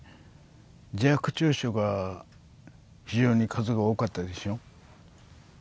自白調書が非常に数が多かったでしょ